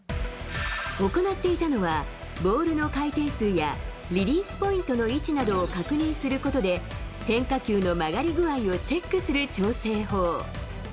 行っていたのは、ボールの回転数や、リリースポイントの位置などを確認することで、変化球の曲がり具合をチェックする調整法。